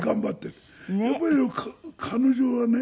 やっぱり彼女はね